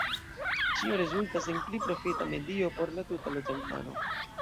Ĉio rezultas en pli profita medio por la tuta loĝantaro.